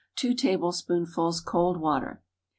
2 tablespoonfuls cold water.